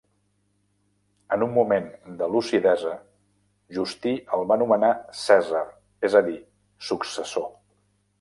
En un moment de lucidesa, Justí el va nomenar cèsar, és a dir, successor.